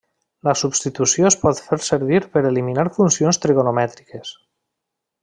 La substitució es pot fer servir per eliminar funcions trigonomètriques.